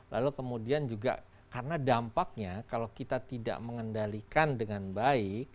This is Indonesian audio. lalu kemudian juga karena dampaknya kalau kita tidak mengendalikan dengan baik